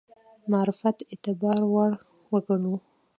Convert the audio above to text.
معرفت اعتبار وړ وګڼو.